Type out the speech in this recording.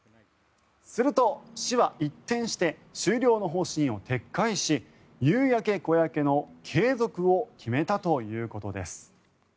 すると、市は一転して終了の方針を撤回し「夕焼小焼」の継続を決めたということです。